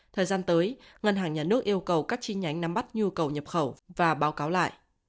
thời gian tới ngân hàng nhà nước yêu cầu các chi nhánh nắm bắt nhu cầu nhập khẩu và báo cáo lại